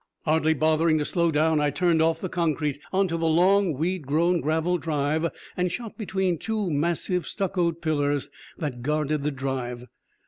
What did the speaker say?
Hardly bothering to slow down, I turned off the concrete onto the long, weed grown gravel drive, and shot between the two massive, stuccoed pillars that guarded the drive.